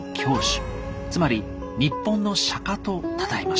つまり「日本の釈」とたたえました。